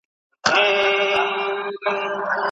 ګل به وړي اغزي به پریږدي پر ګلزار زخمونه کښیږدي